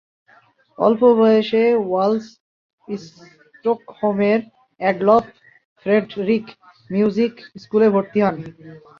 অল্প বয়সে ওয়ালজ স্টকহোমের অ্যাডলফ ফ্রেডরিক মিউজিক স্কুলে ভর্তি হন।